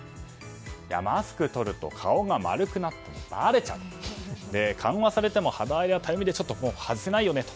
マスク取ると、顔が丸くなったのがばれちゃうとか緩和されても肌荒れやたるみで外せないよねと。